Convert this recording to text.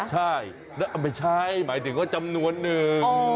ใช่แล้วไม่ใช่หมายถึงว่าจำนวนหนึ่ง